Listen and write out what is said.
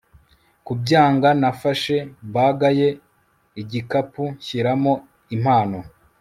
kubyanga nafashe bag ye igikapu nshyiramo impano